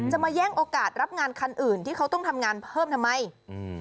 มาแย่งโอกาสรับงานคันอื่นที่เขาต้องทำงานเพิ่มทำไมอืม